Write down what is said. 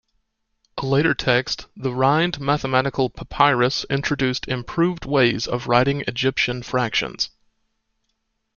A later text, the Rhind Mathematical Papyrus, introduced improved ways of writing Egyptian fractions.